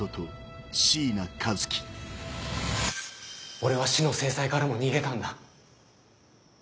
俺は死の制裁からも逃げたんだ。